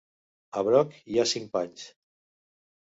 A Brock hi ha cinc panys.